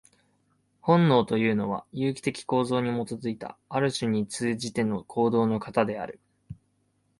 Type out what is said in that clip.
本能というのは、有機的構造に基いた、ある種に通じての行動の型である。